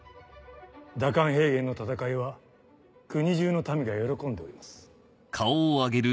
蛇甘平原の戦いは国中の民が喜んでおります。